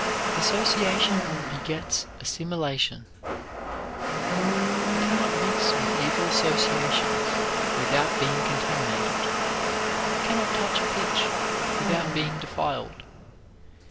Association begets assimilation. We can not mix with evil associations without being contaminated; can not touch pitch without being defiled.